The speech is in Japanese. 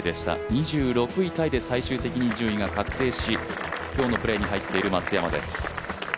２６位タイで最終的に順位が確定し今日のプレーに入っている松山です。